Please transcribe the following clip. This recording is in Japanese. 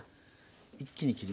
一気に切りますね。